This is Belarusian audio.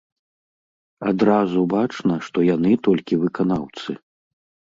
Адразу бачна, што яны толькі выканаўцы.